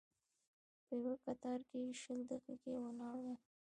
په یوه کتار کې شل دقیقې ولاړ وم.